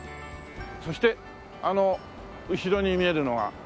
そしてあの後ろに見えるのがね